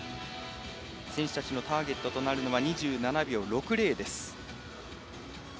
選手たちのターゲットとなるのは２７秒６０です。